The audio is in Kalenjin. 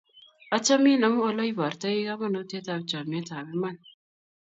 Achomin amun oleiportoi kamanutyetap chomyet ap iman.